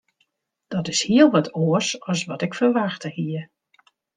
Dat is hiel wat oars as wat ik ferwachte hie.